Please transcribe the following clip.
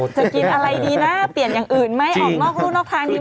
กินอะไรดีนะเปลี่ยนอย่างอื่นไหมออกนอกรู่นอกทางดี